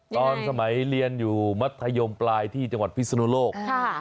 ตอนสมัยเรียนอยู่มัธยมปลายที่จังหวัดพิศนุโลก